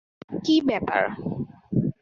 কী ব্যাপার?